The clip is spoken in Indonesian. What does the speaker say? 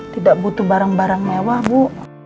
tidak butuh barang barang mewah bu